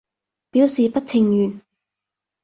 表示不情願